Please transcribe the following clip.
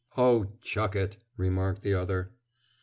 "Oh, chuck it!" remarked the other.